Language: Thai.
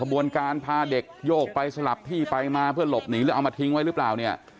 บนการพาเด็กโยกไปสลับที่ไปมาเพื่อหลบหนีหรือเอามาทิ้งไว้หรือเปล่าเนี่ย